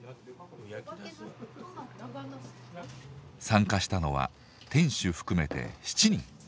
参加したのは店主含めて７人。